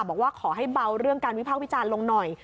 บอกว่าขอให้เบาเรื่องการวิภาควิจารณ์ลงหน่อย